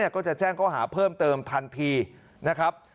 ก็จะแจ้งข้อหาเพิ่มเติมทันทีนะครับ